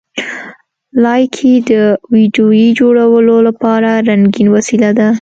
لایکي د ویډیو جوړولو لپاره رنګین وسیله ده.